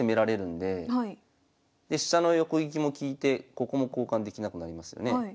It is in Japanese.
で飛車の横利きも利いてここも交換できなくなりますよね。